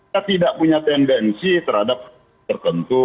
kita tidak punya tendensi terhadap tertentu